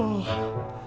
tidak ada apa apa